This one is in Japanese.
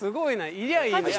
いりゃいいのに。